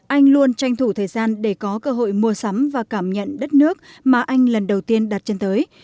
anh luôn tranh thủ thời gian để có cơ hội mua sắm và cảm nhận đất nước mà anh lần đầu tiên đặt chân tới